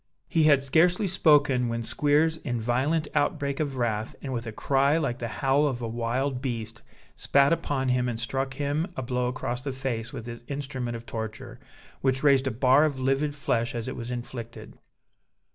He had scarcely spoken, when Squeers in a violent outbreak of wrath, and with a cry like the howl of a wild beast, spat upon him and struck him a blow across the face with his instrument of torture, which raised a bar of livid flesh as it was inflicted.